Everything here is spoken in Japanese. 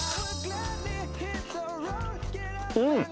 うん！